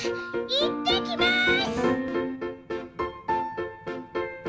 いってきます！